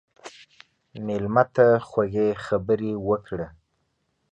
مېلمه ته خوږې خبرې وکړه.